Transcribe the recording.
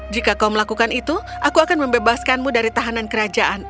jika kau melakukan itu aku akan membebaskanmu dari tahanan kerajaan